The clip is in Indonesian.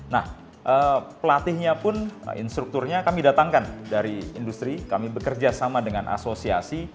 nah pelatihnya pun instrukturnya kami datangkan dari industri kami bekerja sama dengan asosiasi